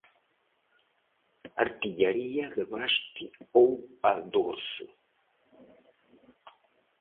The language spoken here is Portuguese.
Artilharia de baste ou a dorso